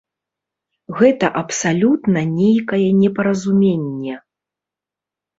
Гэта абсалютна нейкае непаразуменне.